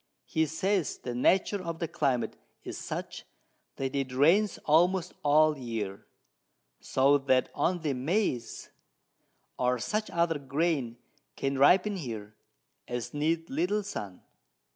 He says the Nature of the Climate is such, that it rains almost all the Year, so that only Maiz or such other Grain can ripen here, as need little Sun.